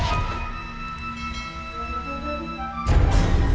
siapa yang meninggal